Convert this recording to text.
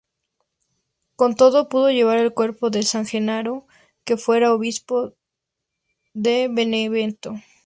Con todo, pudo llevar el cuerpo de San Genaro, que fuera obispo de Benevento.